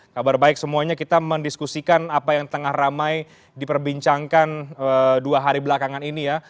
kabar baik semuanya kita mendiskusikan apa yang tengah ramai diperbincangkan dua hari belakangan ini ya